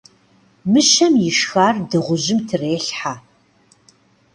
Мыщэм ишхар дыгъужьым трелхьэ.